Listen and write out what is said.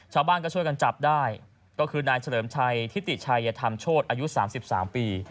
ชาวบ้านก็ช่วยกันจับได้ก็คือนายเฉลิมชัยทิติชัยธรรมโชธอายุ๓๓ปี